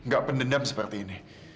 gak pendendam seperti ini